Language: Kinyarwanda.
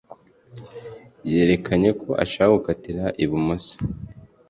Yerekanye ko ashaka gukatira ibumoso